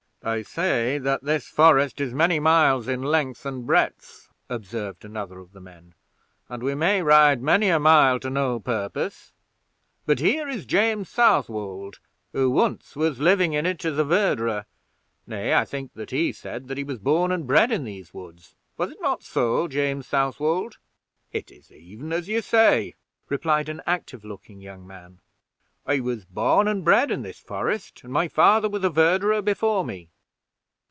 "They say that this forest is many miles in length and breadth," observed another of the men, "and we may ride many a mile to no purpose; but here is James Southwold, who once was living in it as a verderer; nay, I think that he said that he was born and bred in these woods. Was it not so, James Southwold?" "It is even as you say," replied an active looking young man; "I was born and bred in this forest, and my father was a verderer before me."